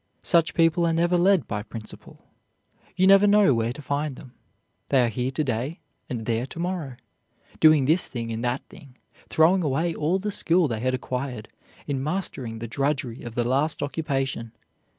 Such people are never led by principle. You never know where to find them; they are here to day and there to morrow, doing this thing and that thing, throwing away all the skill they had acquired in mastering the drudgery of the last occupation.